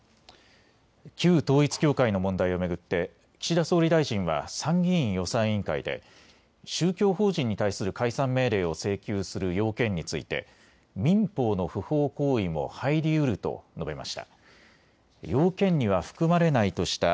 旧統一教会の問題を巡って岸田総理大臣は参議院予算委員会で宗教法人に対する解散命令を請求する要件について民法の不法行為も入りうると述べました。